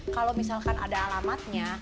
kalau misalkan ada alamatnya